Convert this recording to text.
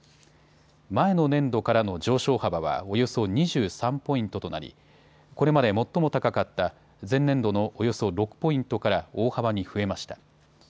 前の年度からの上昇幅はおよそ２３ポイントとなりこれまで最も高かった前年度のおよそ６ポイントから大幅に増えました。